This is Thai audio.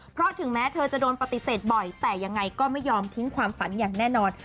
เพราะถึงแม้เธอจะโดนปฏิเสธบ่อยแต่ยังไงก็ไม่ยอมทิ้งความฝันอย่างแน่นอน